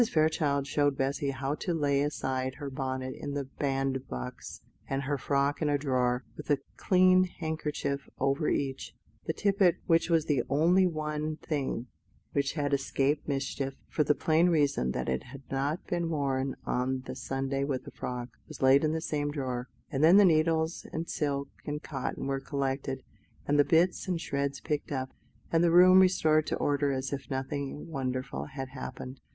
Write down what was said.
Fairchild showed Bessy how to lay aside her bonnet in the bandbox, and her frock in a drawer, with a clean handkerchief over each. The tippet, which was the only one thing which had escaped mischief, for the plain reason that it had not been worn on the Sunday with the frock, was laid in the same drawer; and then the needles and silk and cotton were collected, and the bits and shreds picked up, and the room restored to order as if nothing wonderful had happened.